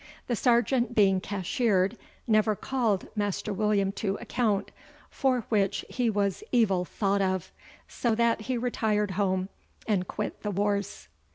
The sergeant being cashiered, never called Master William to account, for which he was evill thought of; so that he retired home, and quit the warres."